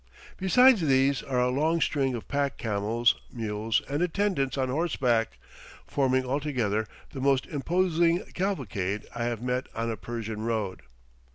Besides these are a long string of pack camels, mules, and attendants on horseback, forming altogether the most imposing cavalcade I have met on a Persian road.